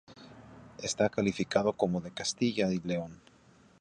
Está calificado como de Castilla y León.